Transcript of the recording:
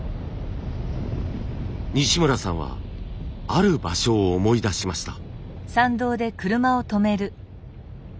西村さんはある場所を思い出しました。